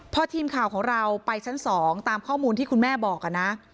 พอทีมข่าวของเราไปชั้น๒ตามข้อมูลที่คุณแม่บอกนะ